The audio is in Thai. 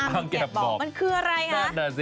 อังแกบบอบมันคืออะไรนะ